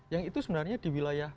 yang itu sebenarnya di wilayah